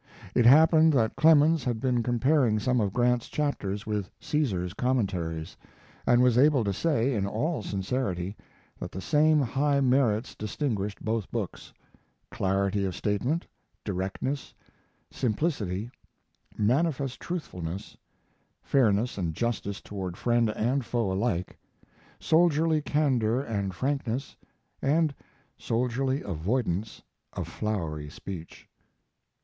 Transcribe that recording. It happened that Clemens had been comparing some of Grant's chapters with Caesar's Commentaries, and was able to say, in all sincerity, that the same high merits distinguished both books: clarity of statement, directness, simplicity, manifest truthfulness, fairness and justice toward friend and foe alike, soldierly candor and frankness, and soldierly avoidance of flowery speech.